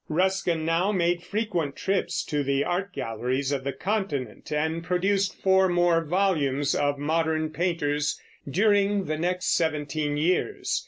Ruskin now made frequent trips to the art galleries of the Continent, and produced four more volumes of Modern Painters during the next seventeen years.